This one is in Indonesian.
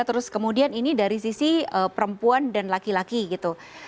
terus kemudian ini dari sisi perempuan dan laki laki gitu